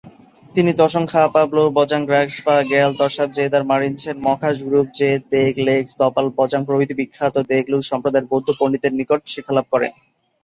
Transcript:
তিনি ত্সোং-খা-পা-ব্লো-ব্জাং-গ্রাগ্স-পা, র্গ্যাল-ত্শাব-র্জে-দার-মা-রিন-ছেন, ম্খাস-গ্রুব-র্জে-দ্গে-লেগ্স-দ্পাল-ব্জাং প্রভৃতি বিখ্যাত দ্গে-লুগ্স সম্প্রদায়ের বৌদ্ধ পন্ডিতদের নিকট শিক্ষালাভ করেন।